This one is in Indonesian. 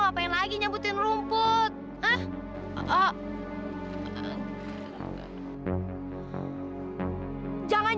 apa yang kamu lakukan lagi